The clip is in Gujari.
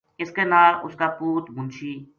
اس کے نال اس کا پُوت منشی